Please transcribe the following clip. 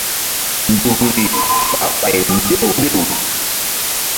Nzukri ɓah ɓay mbew mbew.